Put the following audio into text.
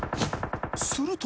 すると。